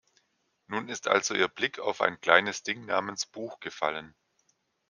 Nun ist also Ihr Blick auf ein kleines Ding namens Buch gefallen.